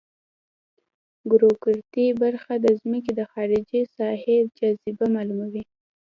ګراومتري برخه د ځمکې د خارجي ساحې جاذبه معلوموي